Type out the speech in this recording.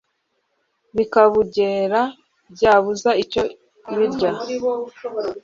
bikabungera, byabuze icyo birya